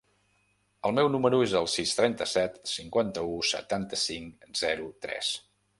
El meu número es el sis, trenta-set, cinquanta-u, setanta-cinc, zero, tres.